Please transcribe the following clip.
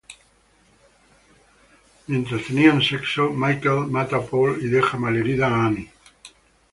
Mientras tenían sexo, Michael mata a Paul y deja malherida a Annie.